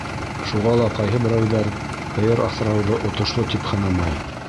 Шуға ла ҡайһы берәүҙәр һыйыр аҫрауҙы отошло тип һанамай.